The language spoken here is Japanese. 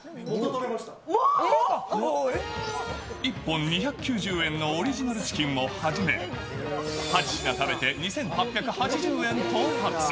１本２９０円のオリジナルチキンをはじめ、８品食べて２８８０円到達。